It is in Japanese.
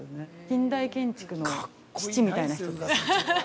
近代建築の父みたいな人です。